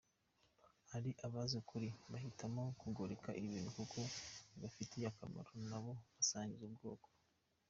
Hari abazi ukuri bahitamo kugoreka ibintu kuko bibafitiye akamaro bo n’abo basangiye ubwoko.